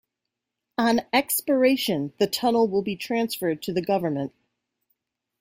On expiration, the tunnel will be transferred to the Government.